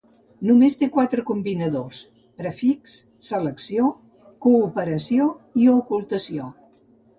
Només té quatre combinadors, "prefix", "selecció", "cooperació" i "ocultació".